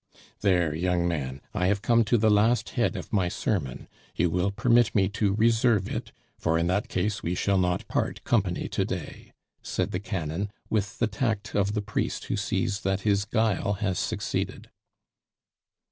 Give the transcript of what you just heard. "There, young man, I have come to the last head of my sermon; you will permit me to reserve it, for in that case we shall not part company to day," said the canon, with the tact of the priest who sees that his guile has succeeded.